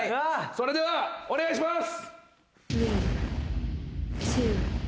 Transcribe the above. それではお願いします。